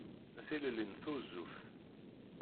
Tilelli n tuzzuft.